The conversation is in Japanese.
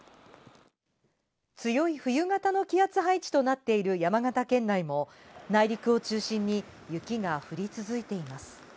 強い冬型の気圧配置となっている山形県内も内陸を中心に、雪が降り続いています。